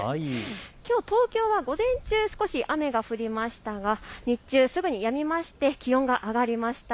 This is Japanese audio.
きょう東京は午前中、少し雨が降りましたが日中すぐにやみまして、気温が上がりました。